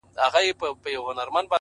فکر د ژوند مسیر ټاکي.!